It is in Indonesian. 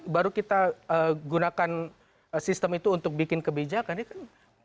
baru kita gunakan sistem itu untuk bikin kebijakan